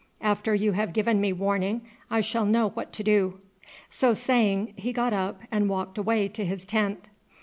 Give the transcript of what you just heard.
After you have given me warning I shall know what to do." So saying he got up and walked away to his tent.